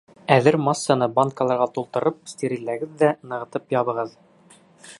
Әҙер массаны банкаларға тултырып, стерилләгеҙ ҙә нығытып ябығыҙ.